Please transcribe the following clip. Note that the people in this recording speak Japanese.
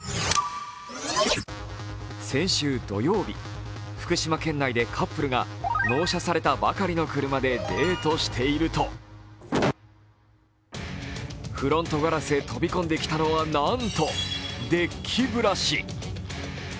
先週土曜日、福島県内でカップルが納車されたばかりの車でデートしているとフロントガラスへ飛び込んできたのはなんとデッキブラシ。